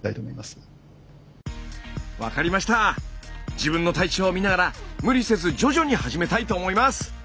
自分の体調を見ながら無理せず徐々に始めたいと思います！